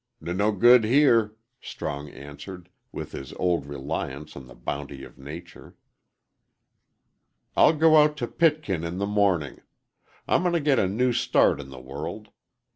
"N no good here," Strong answered, with his old reliance on the bounty of nature. "I'll go out to Pitkin in the morning. I'm going to get a new start in the world.